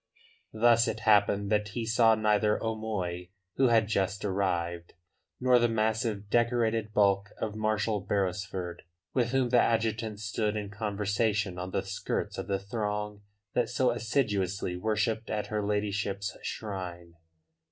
Thus it happened that he saw neither O'Moy, who had just arrived, nor the massive, decorated bulk of Marshal Beresford, with whom the adjutant stood in conversation on the skirts of the throng that so assiduously worshipped at her ladyship's shrine.